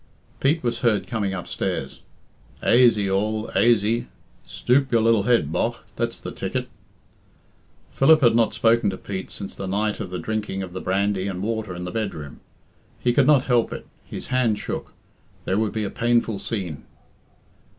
Pete was heard coming upstairs. "Aisy all, aisy! Stoop your lil head, bogh. That's the ticket!" Philip had not spoken to Pete since the night of the drinking of the brandy and water in the bedroom. He could not help it his hand shook. There would be a painful scene.